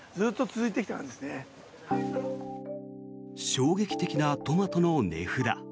衝撃的なトマトの値札。